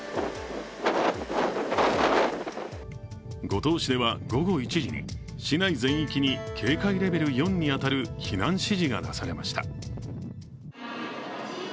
五島市では午後１時に市内全域に警戒レベル４に当たる避難指示が出されました。